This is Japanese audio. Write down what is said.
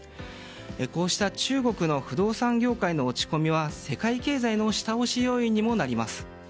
こうした中国の不動産業界の落ち込みは世界経済の下押し要因にもなります。